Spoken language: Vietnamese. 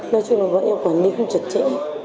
nói chung là bọn em quản lý không trật trễ